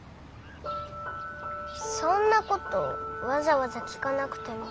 そんなことわざわざ聞かなくても。